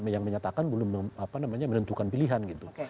yang menyatakan belum menentukan pilihan gitu